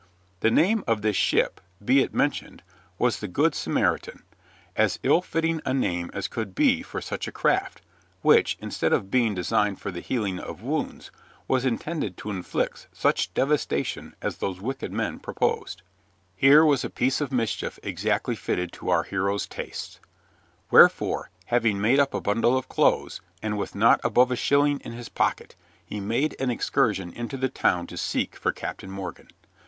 The name of this ship, be it mentioned, was the Good Samaritan, as ill fitting a name as could be for such a craft, which, instead of being designed for the healing of wounds, was intended to inflict such devastation as those wicked men proposed. [Illustration: BURIED TREASURE] Here was a piece of mischief exactly fitted to our hero's tastes; wherefore, having made up a bundle of clothes, and with not above a shilling in his pocket, he made an excursion into the town to seek for Captain Morgan.